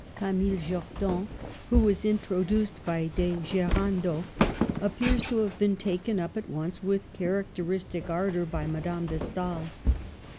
Camille Jordan, who was introduced by De Gerando, appears to have been taken up at once with characteristic ardor by Madame de Stael.